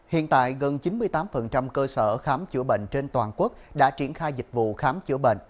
hiện tại gần chín mươi tám cơ sở khám chữa bệnh trên toàn quốc đã triển khai dịch vụ khám chữa bệnh